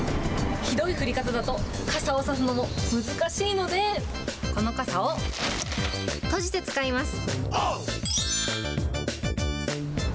ひどい降り方だと、傘を差すのも難しいので、この傘を閉じて使います。